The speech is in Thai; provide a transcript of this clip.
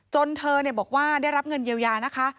จนเธอบอกว่าได้รับเงินเยียวยานะคะ